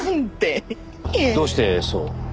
どうしてそう？